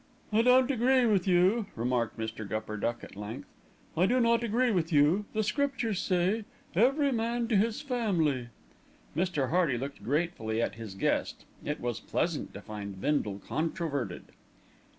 "I don't agree with you," remarked Mr. Gupperduck at length, "I do not agree with you. The Scriptures say, 'Every man to his family.'" Mr. Hearty looked gratefully at his guest. It was pleasant to find Bindle controverted.